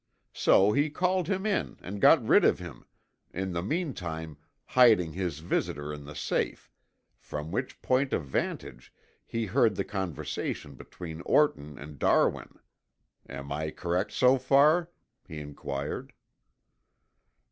So he called him in and got rid of him, in the meantime hiding his visitor in the safe, from which point of vantage he heard the conversation between Orton and Darwin. Am I correct so far?" he inquired.